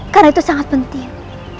karena itu sangat penting